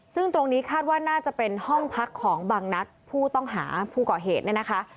ซึ่งตรงนี้คาดว่าน่าจะเป็นห้องพักของบางนัดผู้ต้องหาผู้ก่อเหตุเนี่ยนะคะ